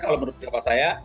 kalau menurut jawab saya